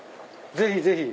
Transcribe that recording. ぜひぜひ。